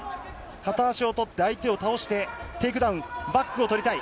片足を取って相手を倒して、テイクダウン、バックを取りたい。